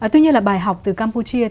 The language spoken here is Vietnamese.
tuy nhiên là bài học từ campuchia